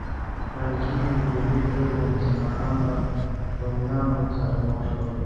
ویل کېږي لومړی ځل و مسلمانان له رومیانو سره مخ شول.